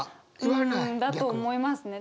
うんだと思いますね。